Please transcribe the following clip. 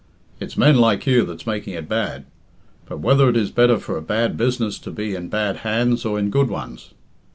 It's men like you that's making it bad. But whether is it better for a bad business to be in bad hands or in good ones?